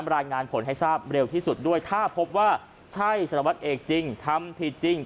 รายงานผลให้ทราบเร็วที่สุดด้วยถ้าพบว่าใช่สารวัตรเอกจริงทำผิดจริง